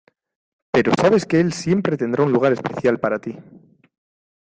Pero sabes que él siempre tendrá un lugar de especial para ti.